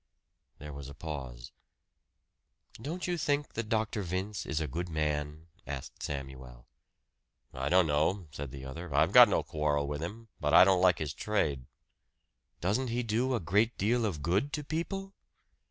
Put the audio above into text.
There was a pause. "Don't you think that Dr. Vince is a good man?" asked Samuel. "I don't know," said the other. "I've got no quarrel with him. But I don't like his trade." "Doesn't he do a great deal of good to people?"